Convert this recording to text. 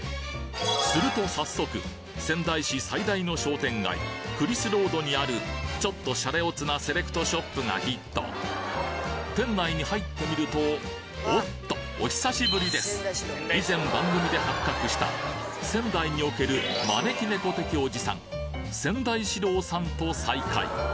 すると早速仙台市最大の商店街クリスロードにあるちょっとシャレオツなセレクトショップがヒット店内に入ってみるとおっと以前番組で発覚した仙台における招き猫的おじさん仙台四郎さんと再会